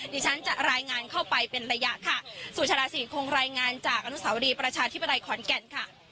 ดิฉันจะรายงานเข้าไปเป็นระยะค่ะสุชาดาศรีคงรายงานจากอนุสาวรีประชาธิปไตยขอนแก่นค่ะ